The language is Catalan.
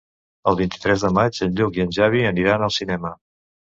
El vint-i-tres de maig en Lluc i en Xavi aniran al cinema.